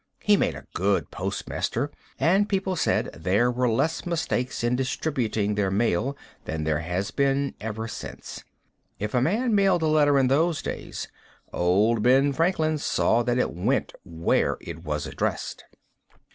He made a good postmaster general, and people say there were less mistakes in distributing their mail than there has ever been since. If a man mailed a letter in those days, old Ben Franklin saw that it went where it was addressed.